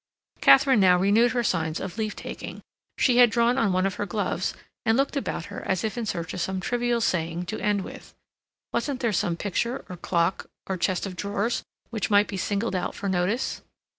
Katharine now renewed her signs of leave taking; she had drawn on one of her gloves, and looked about her as if in search of some trivial saying to end with. Wasn't there some picture, or clock, or chest of drawers which might be singled out for notice?